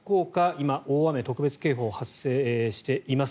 今、大雨特別警報が発表されています。